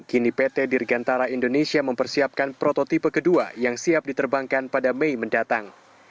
kini pt dirgantara indonesia mempersiapkan prototipe kedua yang siap diterbangkan pada mei mendatang